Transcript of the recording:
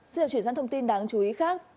xin được chuyển sang thông tin đáng chú ý khác